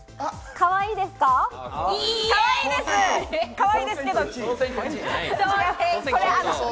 かわいいですけれど。